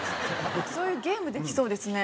そういうゲームできそうですね。